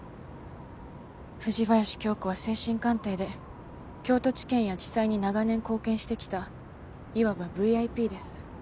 藤林経子は精神鑑定で京都地検や地裁に長年貢献してきたいわばＶＩＰです。